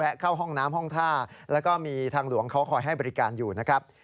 และเข้าห้องน้ำห้องท่าแล้วก็มีทางหลวงเขาคอยให้บริการอยู่นะครับ